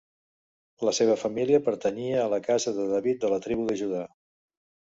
La seva família pertanyia a la Casa de David de la tribu de Judà.